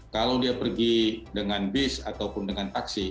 kalau dia pergi dengan bis ataupun dengan taksi